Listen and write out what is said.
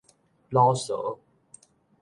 魯趖